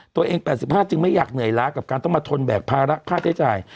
ตัวเอง๘๒จึงไม่อยากเหนื่อยลาการถนกับแบบพลาชใช้จ่าย